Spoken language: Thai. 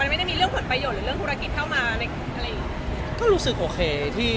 มันไม่ได้มีเรื่องผลประโยชน์หรือเรื่องธุรกิจเข้ามาอะไรอีก